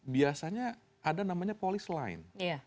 biasanya ada namanya polis lain